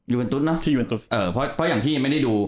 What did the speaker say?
ยูเอ็นตุ๊สเนอะที่ยูเอ็นตุ๊สเออเพราะเพราะอย่างที่ยังไม่ได้ดู